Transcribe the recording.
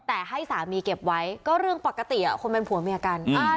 แต่ให้สามีเก็บไว้ก็เรื่องปกติคนเป็นผัวเมียกัน